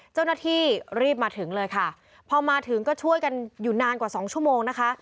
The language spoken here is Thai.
เจ้าหน้าที่รีบมาถึงเลยค่ะพอมาถึงก็ช่วยกันอยู่นานกว่าสองชั่วโมงนะคะ